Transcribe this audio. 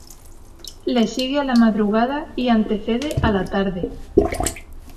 Le sigue a la madrugada y antecede a la tarde.